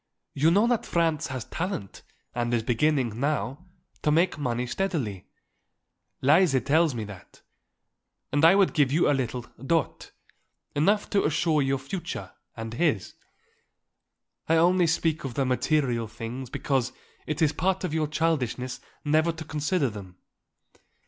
"You know that Franz has talent and is beginning, now, to make money steadily. Lise tells me that. And I would give you a little dot; enough to assure your future, and his. I only speak of the material things because it is part of your childishness never to consider them.